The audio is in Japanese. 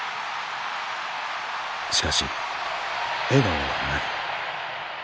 しかし笑顔はない。